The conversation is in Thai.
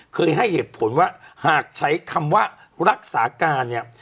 ให้เหตุผลว่าหากใช้คำว่ารักษาการเนี่ย